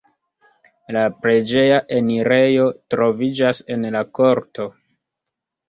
La preĝeja enirejo troviĝas en la korto.